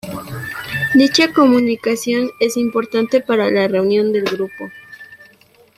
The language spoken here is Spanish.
Dicha comunicación es importante para la unión del grupo.